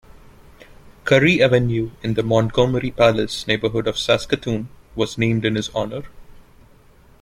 Currie Avenue in the Montgomery Place neighborhood of Saskatoon was named in his honor.